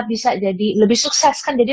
bisa jadi lebih sukses kan jadi